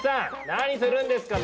何するんですか！